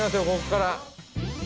ここから。